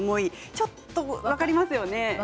ちょっと分かりますよね。